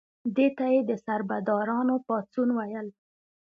دې ته یې د سربدارانو پاڅون ویل.